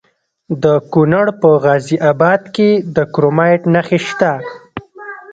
د کونړ په غازي اباد کې د کرومایټ نښې شته.